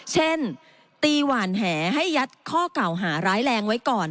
เช่นตีหวานแหให้ยัดข้อเก่าหาร้ายแรงไว้ก่อน